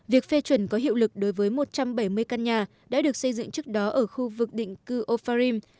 việc phê chuẩn có hiệu lực đối với một trăm bảy mươi căn nhà đã được xây dựng trước đó ở khu vực định cư ofarim